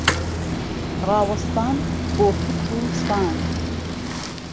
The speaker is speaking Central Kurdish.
ڕاوەستان بۆ فکر و سان.